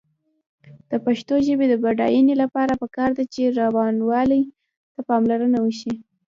د پښتو ژبې د بډاینې لپاره پکار ده چې روانوالي ته پاملرنه وشي.